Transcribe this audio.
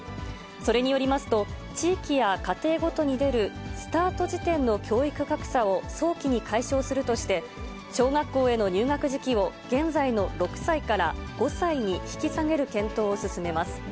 それによりますと、地域や家庭ごとに出るスタート時点の教育格差を早期に解消するとして、小学校への入学時期を現在の６歳から５歳に引き下げる検討を進めます。